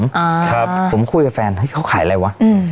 ขั้นข้างผมผมคุยกับแฟนเห้ยเขาขายอะไรวะ